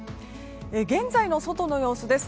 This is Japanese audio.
現在の外の様子です。